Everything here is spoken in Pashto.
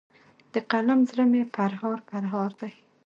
د قلم زړه مي پرهار پرهار دی